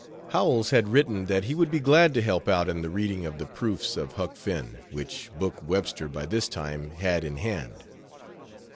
Howells had written that he would be glad to help out in the reading of the proofs of Huck Finn, which book Webster by this time had in hand.